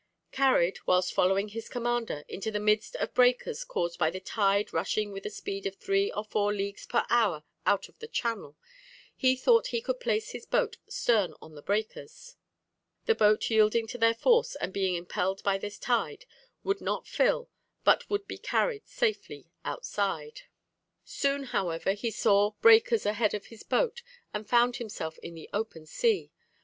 Carried, whilst following his commander, into the midst of breakers caused by the tide rushing with a speed of three or four leagues per hour out of the channel, he thought he could place his boat stern on the breakers; the boat yielding to their force, and being impelled by the tide, would not fill, but would be carried safely outside. "Soon, however, he saw breakers ahead of his boat, and found himself in the open sea.